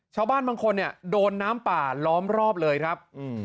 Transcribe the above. ชาวบ้านบางคนเนี่ยโดนน้ำป่าล้อมรอบเลยครับ